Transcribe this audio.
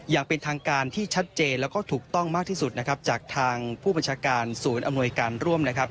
อย่างเป็นทางการที่ชัดเจนแล้วก็ถูกต้องมากที่สุดนะครับจากทางผู้บัญชาการศูนย์อำนวยการร่วมนะครับ